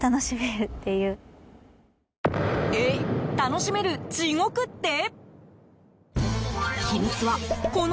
えっ、楽しめる地獄って？